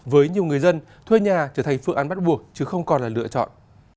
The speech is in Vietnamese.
với nhiều người dân thuê nhà trở thành phương án bắt buộc chứ không còn là lựa chọn